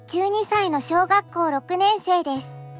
１２歳の小学校６年生です。